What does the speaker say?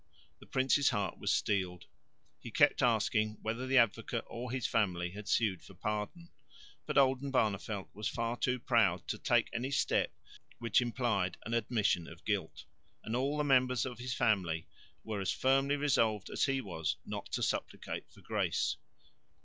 The Prince's heart was steeled. He kept asking whether the Advocate or his family had sued for pardon. But Oldenbarneveldt was far too proud to take any step which implied an admission of guilt; and all the members of his family were as firmly resolved as he was not to supplicate for grace.